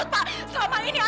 ma jangan dong ma